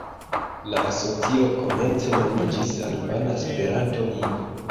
La asocio komence nomiĝis Albana Esperanto-Ligo.